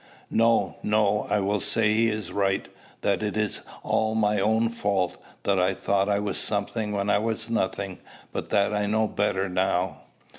"No, no: I will say he is right; that it is all my own fault; that I thought I was something when I was nothing, but that I know better now."